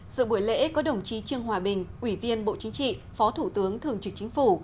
giữa buổi lễ có đồng chí trương hòa bình ủy viên bộ chính trị phó thủ tướng thường trực chính phủ